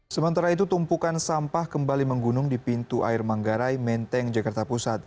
sementara itu tumpukan sampah kembali menggunung di pintu air manggarai menteng jakarta pusat